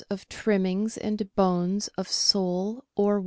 of trimmings and bones of 2 oz.